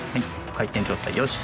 回転状態よし。